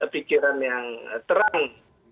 pikiran yang terang